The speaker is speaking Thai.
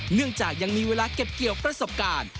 เนื่องจากยังมีเวลาเก็บเกี่ยวประสบการณ์